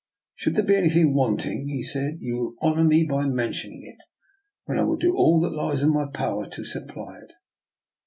" Should there be anything wanting," he said, " you will honour me by mentioning it, when I will do all that lies in my power to supply it."